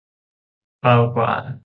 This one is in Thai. เบากว่า